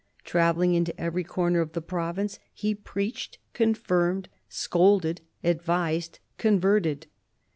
Travelling into every corner of the province, he preached, confirmed, scolded, advised, converted.